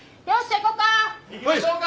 行きましょうか！